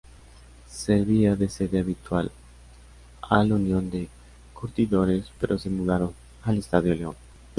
Servía de sede habitual al Unión de Curtidores, pero se mudaron al Estadio León.